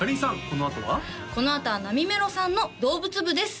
このあとはこのあとはなみめろさんの動物部です